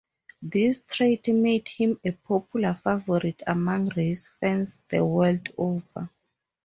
This trait made him a popular favorite among race fans the world over.